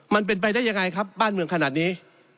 มันเป็นไปได้ยังไงครับบ้านเมืองขนาดนี้